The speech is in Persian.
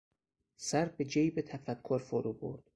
سر به جیب تفکر فرو برد.